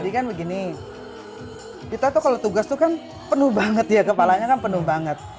jadi kan begini kita tuh kalau tugas tuh kan penuh banget ya kepalanya kan penuh banget